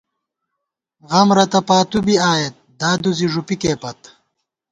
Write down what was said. غم رتہ پاتُو بی آئیېت، دادُوزی ݫُپِکے پت